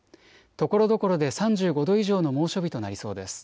ところどころで３５度以上の猛暑日となりそうです。